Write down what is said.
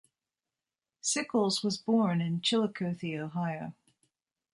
Sickles was born in Chillicothe, Ohio.